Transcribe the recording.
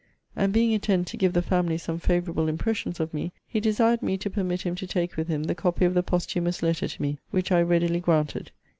And being intent to give the family some favourable impressions of me, he desired me to permit him to take with him the copy of the posthumous letter to me; which I readily granted.